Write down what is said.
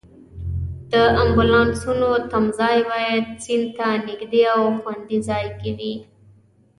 د امبولانسونو تمځای باید سیند ته نږدې او خوندي ځای کې وای.